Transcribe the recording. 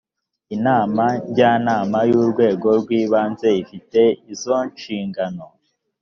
inama njyanama y’urwego rw’ibanze ifite izo nshingano